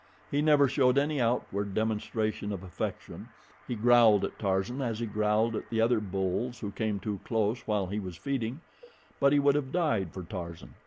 He never showed any outward demonstration of affection he growled at Tarzan as he growled at the other bulls who came too close while he was feeding but he would have died for Tarzan.